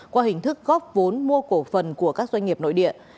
qua hình thức góp vốn mua cổ phần của các doanh nghiệp nội địa